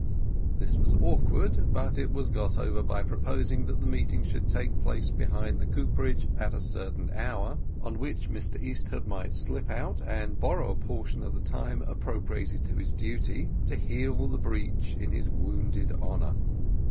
This was awkward, but it was got over by proposing that the meeting should take place behind the cooperage at a certain hour, on which Mr Easthupp might slip out and borrow a portion of the time appropriated to his duty, to heal the breach in his wounded honour.